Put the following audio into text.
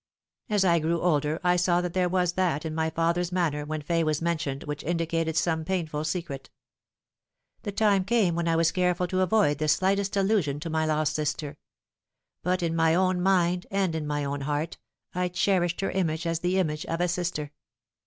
As I grew older I saw that there was that in my father's manner when Fay was mentioned which indicated some painful secret. The time came when I was careful to avoid the slightest allusion to my lost sister ; but in my own mind and in my own heart I cherished her image as the image of a sister.